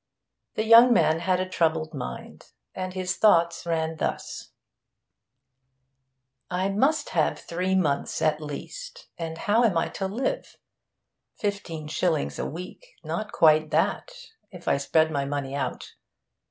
The young man had a troubled mind, and his thoughts ran thus: 'I must have three months at least, and how am I to live?... Fifteen shillings a week not quite that, if I spread my money out.